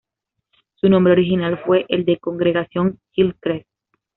Su nombre original fue el de "Congregación Hillcrest".